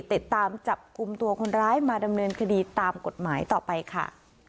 ติดตามจับกลุ่มตัวคนร้ายมาดำเนินคดีตามกฎหมายต่อไปค่ะ